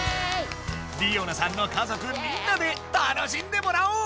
りおなさんの家族みんなで楽しんでもらおう！